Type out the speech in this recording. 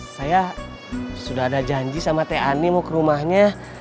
saya sudah ada janji sama teh ani mau ke rumahnya